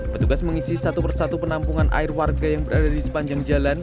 petugas mengisi satu persatu penampungan air warga yang berada di sepanjang jalan